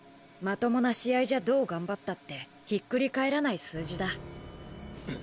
まともな試合じゃどう頑張ったって引っくり返らない数字だ。